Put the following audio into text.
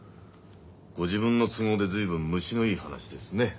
ご自分の都合で随分虫のいい話ですね。